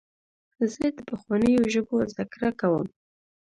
زه د پخوانیو ژبو زدهکړه کوم.